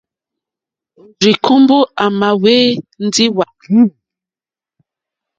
Òrzíkùmbɔ̀ à mà hwɛ́ ndí hwàtò hwá gbǎmù.